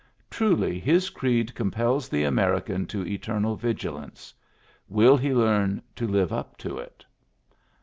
Truly his creed compels the American to eternal vigil ance ! Will he learn to live up to it